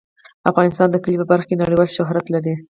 افغانستان د کلي په برخه کې نړیوال شهرت لري.